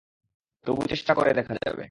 তবু চেষ্টা করে দেখা যাবে।